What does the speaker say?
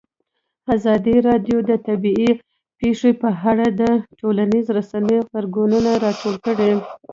ازادي راډیو د طبیعي پېښې په اړه د ټولنیزو رسنیو غبرګونونه راټول کړي.